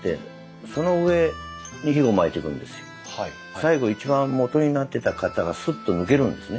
最後一番もとになってた型がスッと抜けるんですね。